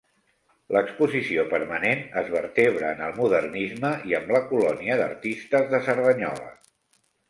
L'exposició permanent es vertebra en el modernisme i amb la colònia d'artistes de Cerdanyola.